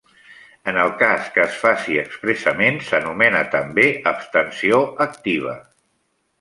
En el cas que es faci expressament s'anomena també abstenció activa.